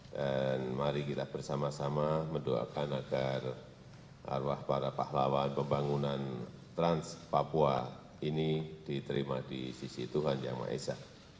dan mari kita bersama sama mendoakan agar arwah para pahlawan pembangunan trans papua ini diterima di sisi tuhan yang maha esa